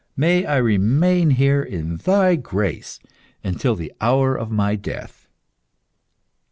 May I remain here, in Thy Grace, until the hour of my death."